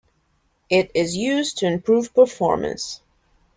It is used to improve performance.